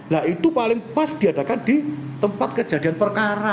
nah itu paling pas diadakan di tempat kejadian perkara